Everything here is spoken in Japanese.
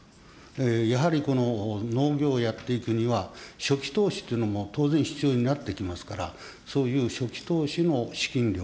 やはり農業をやっていくには、初期投資というのも当然必要になってきますから、そういう初期投資の資金力。